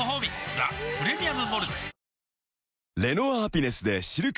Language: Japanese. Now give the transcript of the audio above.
「ザ・プレミアム・モルツ」